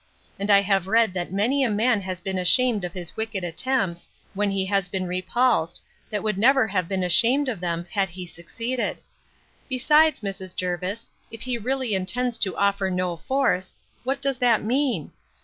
And I have read that many a man has been ashamed of his wicked attempts, when he has been repulsed, that would never have been ashamed of them, had he succeeded. Besides, Mrs. Jervis, if he really intends to offer no force, What does that mean?